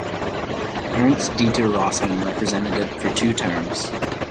Ernst Dieter Rossmann represented it for two terms.